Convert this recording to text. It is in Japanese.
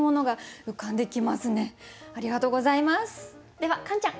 ではカンちゃん。